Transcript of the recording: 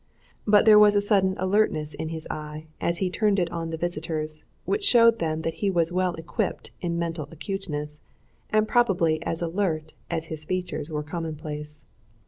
But there was a sudden alertness in his eye as he turned it on the visitors, which showed them that he was well equipped in mental acuteness, and probably as alert as his features were commonplace.